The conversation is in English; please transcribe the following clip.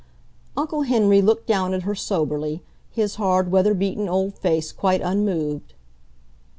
Uncle Henry looked down at her soberly, his hard, weather beaten old face quite unmoved.